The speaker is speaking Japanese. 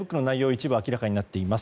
一部明らかになっています。